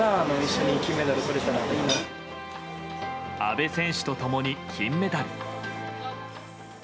阿部選手と共に金メダル。